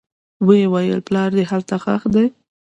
ويې ويل پلار دې هلته ښخ دى.